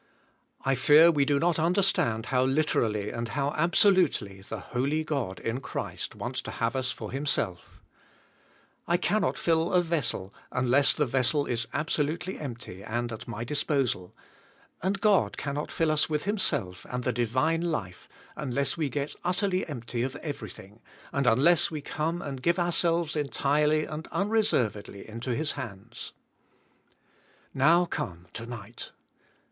I fear we do not understand how literally and how absolutely the Holy God in Christ wants to have us for Him self. I cannot fill a vessel unless the vessel is abso lutely empty and at my disposal, and God cannot fill us with Himself and the divine life unless we get utterly empty of everything, and unless we come and give ourselves entirely and unreservedly into JKSUS ABI.K TO KBSP. 221 Hishatids. Now come, to night.